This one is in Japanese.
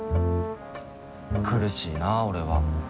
苦しいな、俺は。